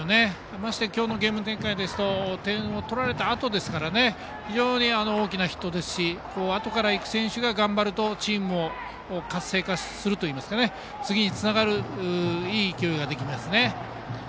まして今日のゲーム展開ですと点を取られたあとですから非常に大きなヒットですしあとから行く選手が頑張るとチームも活性化するというか次につながる、いい勢いができますね。